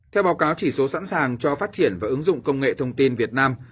theo báo cáo chỉ số sẵn sàng cho phát triển và ứng dụng công nghệ thông tin việt nam